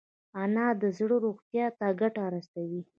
انار د زړه روغتیا ته ګټه رسوي.